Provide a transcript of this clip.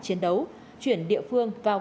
chiến đấu chuyển địa phương vào